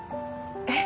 えっ！？